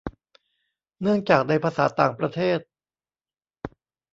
เนื่องจากในภาษาต่างประเทศ